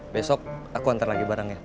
besok aku antar lagi barangnya